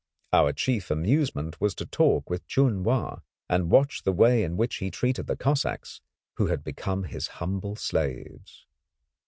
Our chief amusement was to talk with Chun Wa and to watch the way in which he treated the Cossacks, who had become his humble slaves.